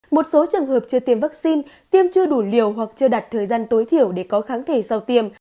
một số trường hợp chưa tiêm vaccine tiêm chưa đủ liều hoặc chưa đặt thời gian tối thiểu để có kháng thể sau tiêm